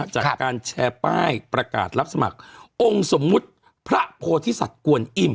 จากการแชร์ป้ายประกาศรับสมัครองค์สมมุติพระโพธิสัตว์กวนอิ่ม